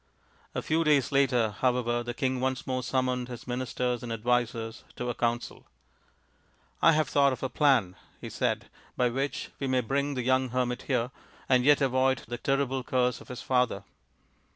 A few days later, however, the king once more summoned his ministers and advisers to a council. " I have thought of a plan, 53 he said, " by which we may bring the young hermit here, and yet avoid the terrible curse of his father.